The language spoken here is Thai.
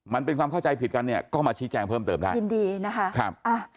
มันเป็นความเข้าใจผิดกันเนี่ยก็มาชี้แจงเพิ่มเติมได้ยินดีนะคะครับ